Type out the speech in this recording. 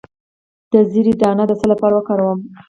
د زیرې دانه د څه لپاره وکاروم؟